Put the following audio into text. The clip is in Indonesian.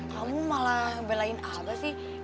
kamu malah belain apa sih